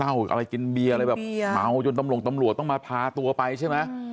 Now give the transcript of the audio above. หล่าวอะไรกินเบียร์อะไรแบบเหมาจนตำลงตำลัวต้องมาพาตัวไปใช่ไหม